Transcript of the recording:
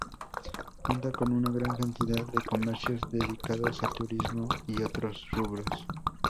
Cuenta con una gran cantidad de comercios dedicados al turismo, y otros rubros.